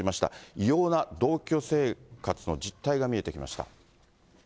異様な同居生活の実態が見えてきました。